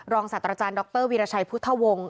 รองศัตริย์อาจารย์ดรวิราชัยพุทธวงศ์